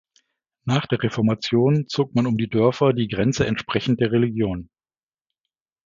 Nach der Reformation zog man um die Dörfer die Grenze entsprechend der Religion.